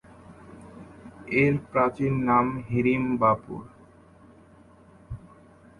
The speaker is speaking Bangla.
এর প্রাচীন নাম হিড়িম্বাপুর।